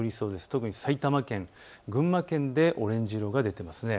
特に埼玉県、群馬県でオレンジ色が出ています。